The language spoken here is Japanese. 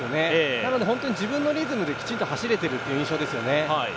なのでホントに自分のリズムできちんと走れているという印象ですね。